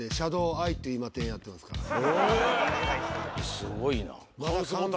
すごいな。